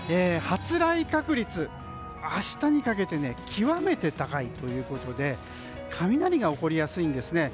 発雷確率が明日にかけて極めて高いということで雷が起こりやすいんですね。